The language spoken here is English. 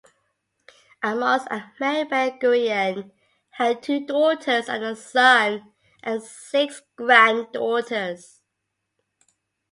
Amos and Mary Ben-Gurion had two daughters and a son, and six granddaughters.